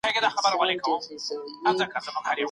د ډنډ ترڅنګ د ږدن او مڼې ځای نه ړنګیږي.